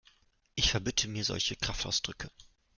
Ich verbitte mir solche Kraftausdrücke!